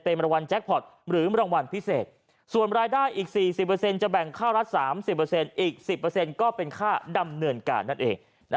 เป็นรางวัลแจ็คพอร์ตหรือรางวัลพิเศษส่วนรายได้อีก๔๐จะแบ่งค่าละ๓๐อีก๑๐ก็เป็นค่าดำเนินการนั่นเอง